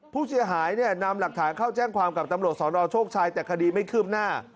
ผู้เสียหายเนี่ยนำหลักฐานเข้าแจ้งความกับตำรวจสนโชคชัยแต่คดีไม่คืบหน้า